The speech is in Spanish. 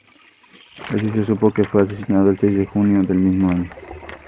Así se supo que fue asesinado el seis de junio del mismo año.